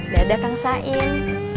dadah kang sain